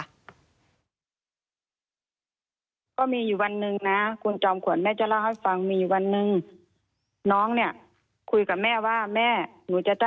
ในรายการถามตรงกับคุณจอมขวัญเอาไว้ว่ายังไงบ้างนะคะ